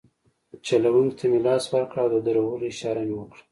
چلونکي ته مې لاس ورکړ او د درولو اشاره مې وکړه.